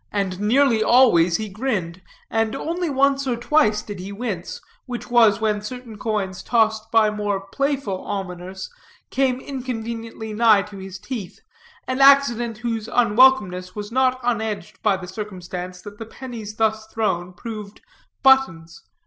And nearly always he grinned, and only once or twice did he wince, which was when certain coins, tossed by more playful almoners, came inconveniently nigh to his teeth, an accident whose unwelcomeness was not unedged by the circumstance that the pennies thus thrown proved buttons.